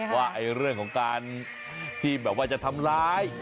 ว่าเรื่องของการที่แบบว่าจะทำร้าย